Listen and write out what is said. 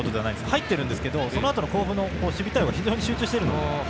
入ってるんですけど甲府の守備対応が非常に集中しているので。